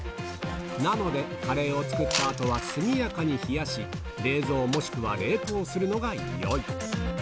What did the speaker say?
なので、カレーを作ったあとは速やかに冷やし、冷蔵もしくは冷凍するのがよい。